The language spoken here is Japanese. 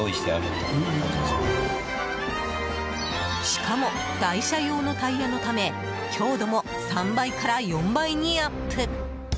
しかも、台車用のタイヤのため強度も３倍から４倍にアップ。